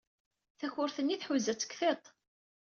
Takurt-nni tḥuza-tt deg tiṭ.